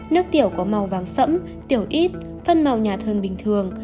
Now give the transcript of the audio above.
nước tiểu có màu vàng sẫm tiểu ít phân màu nhạt hơn bình thường